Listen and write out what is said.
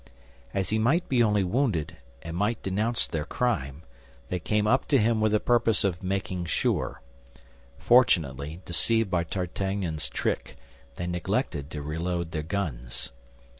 As he might be only wounded and might denounce their crime, they came up to him with the purpose of making sure. Fortunately, deceived by D'Artagnan's trick, they neglected to reload their guns.